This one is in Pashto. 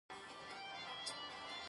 کندهار ښاروالۍ د ښاري ستونزو